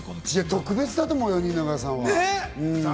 特別だと思うよ、蜷川さんは。